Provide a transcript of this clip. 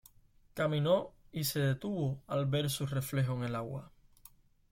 Caminó y se detuvo al ver su reflejo en el agua.